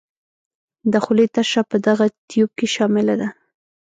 د خولې تشه په دغه تیوپ کې شامله ده.